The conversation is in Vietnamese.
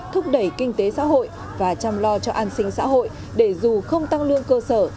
thúc đẩy kinh tế xã hội và chăm lo cho an sinh xã hội để dù không tăng lương cơ sở